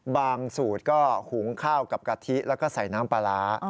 สูตรก็หุงข้าวกับกะทิแล้วก็ใส่น้ำปลาร้า